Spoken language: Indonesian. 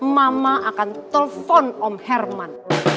mama akan telepon om herman